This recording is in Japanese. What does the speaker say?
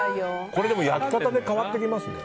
これ焼き方で変わってきますね。